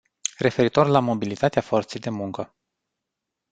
Referitor la mobilitatea forței de muncă.